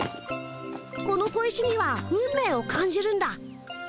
この小石には運命を感じるんだ。